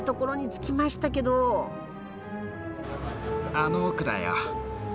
あの奥だよ。